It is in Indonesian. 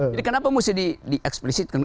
jadi kenapa mesti di eksplisitkan